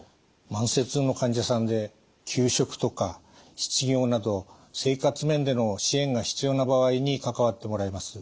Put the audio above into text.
慢性痛の患者さんで休職とか失業など生活面での支援が必要な場合に関わってもらいます。